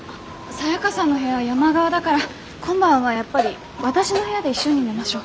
サヤカさんの部屋山側だから今晩はやっぱり私の部屋で一緒に寝ましょう。